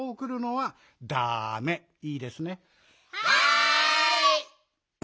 はい！